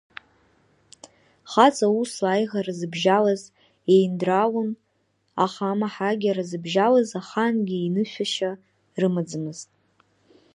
Хаҵа усла аиӷара зыбжьалаз, еиндраалон, аха амаҳагьара зыбжьалаз, ахаангьы еинышәашьа рымаӡамызт.